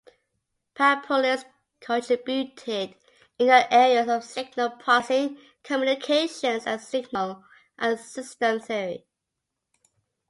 Papoulis contributed in the areas of signal processing, communications, and signal and system theory.